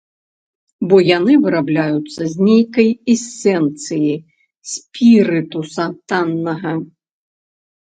Бо яны вырабляюцца з нейкай эсэнцыі, спірытуса таннага.